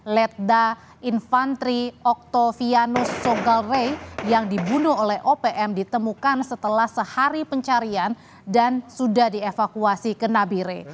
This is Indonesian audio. leda infantri oktavianus sugalre yang dibunuh oleh opm ditemukan setelah sehari pencarian dan sudah dievakuasi ke nabi re